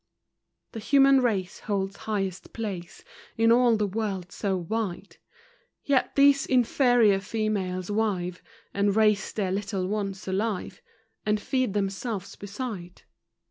The human race holds highest place In all the world so wide, Yet these inferior females wive, And raise their little ones alive, And feed themselves beside.